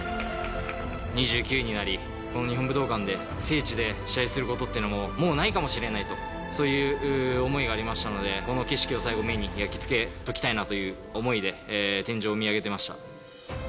２９になり、この日本武道館で、聖地で試合することっていうのももうないかもしれないと、そういう思いがありましたので、この景色を最後、目に焼き付けときたいなという思いで、天井を見上げてました。